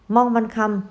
mong văn khăm